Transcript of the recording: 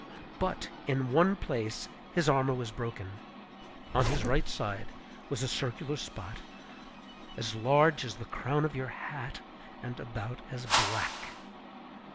But in one place his armor was broken. On his right side was a circular spot, as large as the crown of your hat, and about as black!